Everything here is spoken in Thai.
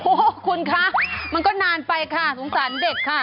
โอ้โหคุณคะมันก็นานไปค่ะสงสารเด็กค่ะ